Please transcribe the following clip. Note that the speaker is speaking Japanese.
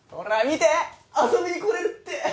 見て遊びに来れるって！